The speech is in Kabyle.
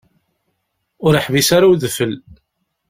Ur yeḥbis ara udfel.